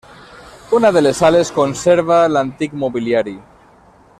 Una de les sales conserva l'antic mobiliari.